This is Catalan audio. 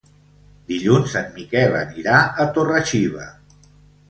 Dilluns en Miquel anirà a Torre-xiva.